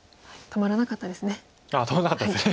止まらなかったです。